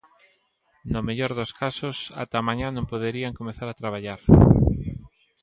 No mellor dos casos, ata mañá non poderían comezar a traballar.